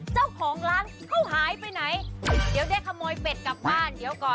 เจ้าของร้านเขาหายไปไหนเดี๋ยวได้ขโมยเป็ดกลับบ้านเดี๋ยวก่อน